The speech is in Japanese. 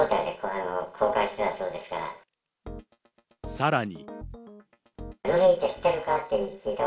さらに。